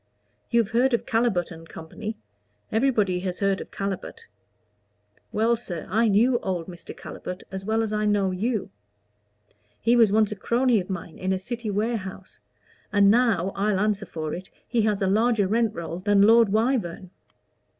You've heard of Calibut & Co. everybody has heard of Calibut. Well, sir, I knew old Mr. Calibut as well as I know you. He was once a crony of mine in a city warehouse; and now, I'll answer for it, he has a larger rent roll than Lord Wyvern.